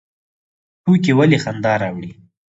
ټوکې ولې خندا راوړي؟